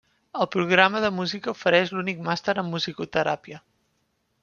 El programa de música ofereix l'únic Màster en Musicoteràpia.